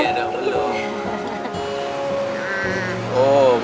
ya dong belum